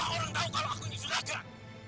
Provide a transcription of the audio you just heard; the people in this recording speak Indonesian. semua orang tahu kalau aku ini juragan